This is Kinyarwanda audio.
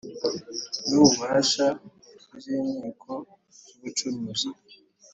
N ububasha by inkiko z ubucuruzi